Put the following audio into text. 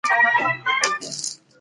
ښوونکي به ملاتړ ومومي.